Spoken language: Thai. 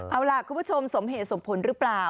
เอาล่ะคุณผู้ชมสมเหตุสมผลหรือเปล่า